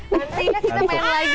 nanti ya kita main lagi